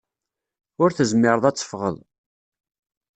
Ur tezmireḍ ad teffɣeḍ.